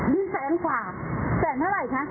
นี่แสนกว่าแสนเท่าไหร่คะ